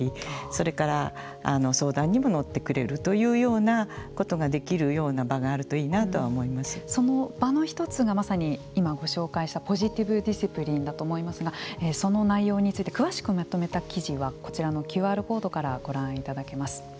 それから相談にものってくれるようなことができるような場がその場の１つがまさに今ご紹介したポジティブ・ディシプリンだと思いますがその内容について詳しくまとめた記事はこちらのＱＲコードからご覧いただけます。